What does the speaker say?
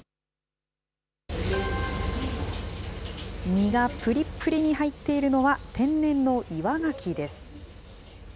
身がぷりぷりに入っているのは、天然の岩ガキです。